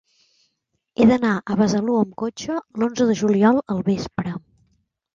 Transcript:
He d'anar a Besalú amb cotxe l'onze de juliol al vespre.